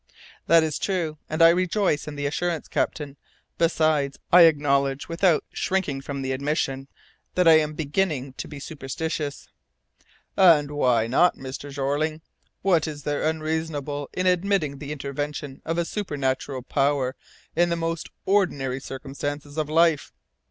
"That is true, and I rejoice in the assurance, captain. Besides, I acknowledge, without shrinking from the admission, that I am beginning to be superstitious." "And why not, Mr. Jeorling? What is there unreasonable in admitting the intervention of a supernatural power in the most ordinary circumstances of life?